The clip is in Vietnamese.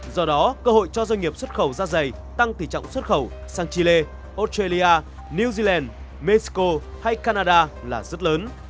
do đó cơ hội cho doanh nghiệp xuất khẩu da dày tăng tỷ trọng xuất khẩu sang chile australia new zealand mexico hay canada là rất lớn